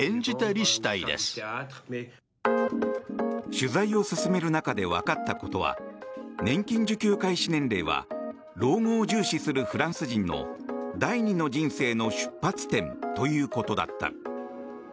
取材を進める中で分かったことは年金受給開始年齢は老後を重視するフランス人の第二の人生の出発点ということだった。